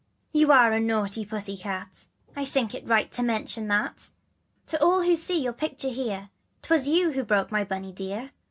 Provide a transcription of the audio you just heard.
" T T'OUa.re. a naughty pussy cat, J^ I think it right to mention that, To all who see your picture here, ' Twas you who broke my Bunny dear.